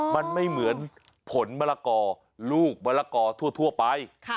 มันไม่เหมือนผลมะละกอลูกมะละกอทั่วไป